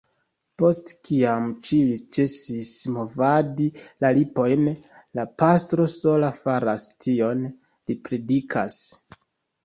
Post kiam ĉiuj ĉesis movadi la lipojn, la pastro sola faras tion; li predikas.